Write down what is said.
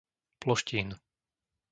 Ploštín